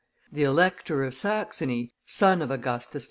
The Elector of Saxony, son of Augustus H.